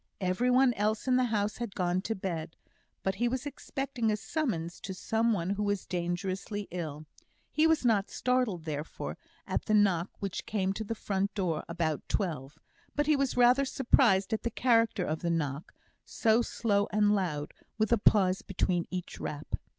Every one else in the house had gone to bed; but he was expecting a summons to someone who was dangerously ill. He was not startled, therefore, at the knock which came to the front door about twelve; but he was rather surprised at the character of the knock, so slow and loud, with a pause between each rap.